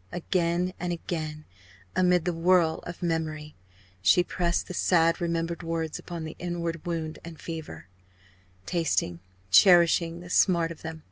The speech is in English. _" Again and again, amid the whirl of memory, she pressed the sad remembered words upon the inward wound and fever tasting, cherishing the smart of them.